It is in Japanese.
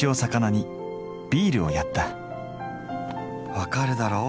分かるだろう